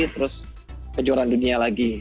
terus kejuaraan dunia lagi